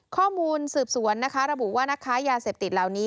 ข้อมูลสืบสวนนะคะระบุว่านักค้ายาเสพติดเหล่านี้